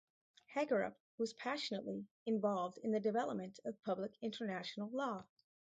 Hagerup was passionately involved in the development of public international law.